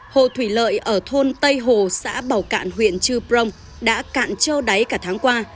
hồ thủy lợi ở thôn tây hồ xã bảo cạn huyện chư prong đã cạn trâu đáy cả tháng qua